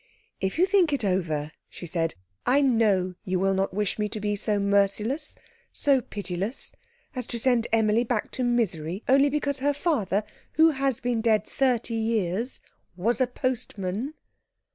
"If you think it over," she said, "I know you will not wish me to be so merciless, so pitiless, as to send Emilie back to misery only because her father, who has been dead thirty years, was a postman."